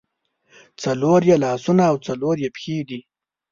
څلور یې لاسونه او څلور یې پښې دي.